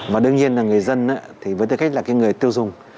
và đương nhiên là người dân với tư cách là người tiêu dùng